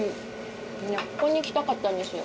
ここに来たかったんですよ。